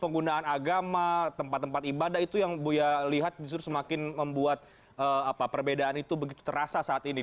penggunaan agama tempat tempat ibadah itu yang buya lihat justru semakin membuat perbedaan itu begitu terasa saat ini